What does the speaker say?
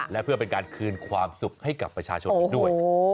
และเพื่อเป็นการคืนความสุขให้กับประชาชนอีกด้วย